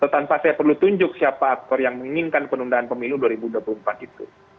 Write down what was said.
tanpa saya perlu tunjuk siapa aktor yang menginginkan penundaan pemilu dua ribu dua puluh empat itu